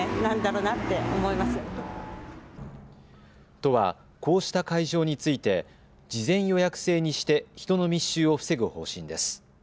都は、こうした会場について事前予約制にして人の密集を防ぐ方針です。